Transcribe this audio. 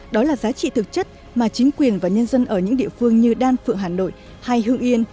đó là giá trị thực chất mà chính quyền và nhân dân ở những địa phương như đan phượng hà nội hay hưng yên